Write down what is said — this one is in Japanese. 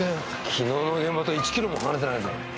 昨日の現場と１キロも離れてないぞ。